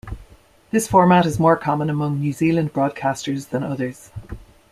This format is more common among New Zealand broadcasters than others.